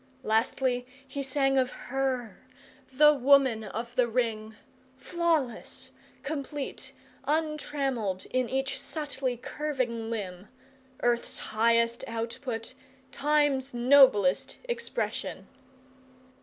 Lastly he sang of Her the Woman of the Ring flawless, complete, untrammelled in each subtly curving limb; earth's highest output, time's noblest expression.